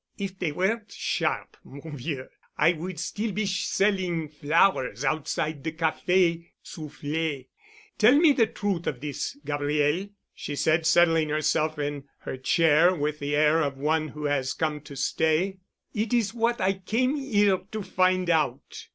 "If they weren't sharp, mon vieux, I would still be selling flowers outside the Café Soufflet. Tell me the truth of this thing, Gabriel," she said, settling herself in her chair with the air of one who has come to stay, "it is what I came here to find out."